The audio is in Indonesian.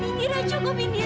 indira cukup indira